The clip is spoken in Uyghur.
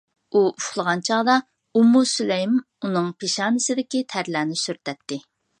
ئۇ ئۇخلىغان چاغدا، ئۇممۇ سۇلەيم ئۇنىڭ پېشانىسىدىكى تەرلەرنى سۈرتەتتى.